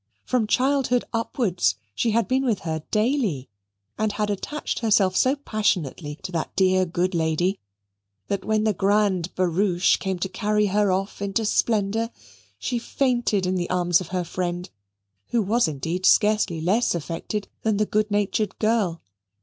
From childhood upwards she had been with her daily and had attached herself so passionately to that dear good lady that when the grand barouche came to carry her off into splendour, she fainted in the arms of her friend, who was indeed scarcely less affected than the good natured girl.